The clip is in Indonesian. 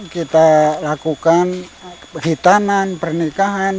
kita lakukan hitanan pernikahan